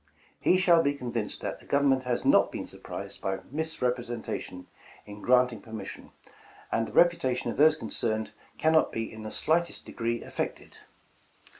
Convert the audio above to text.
He shall be convinced that the Govern ment has not been surprised by misrepresentation in 154 A Vision granting permission, and tlie reputation of those con cerned cannot be in the slightest degree affected.